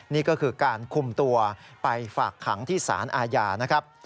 นี่ก็คือการคุมตัวไปฝากขังที่สารอาญานะครับ